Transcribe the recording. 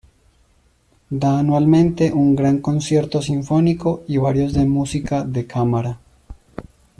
Da anualmente un gran concierto sinfónico y varios de música de cámara.